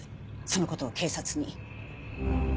その事を警察に。